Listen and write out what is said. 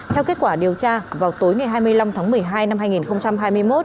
theo kết quả điều tra vào tối ngày hai mươi năm tháng một mươi hai năm hai nghìn hai mươi một